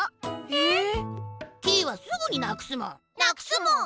えっ！？キイはすぐになくすもん！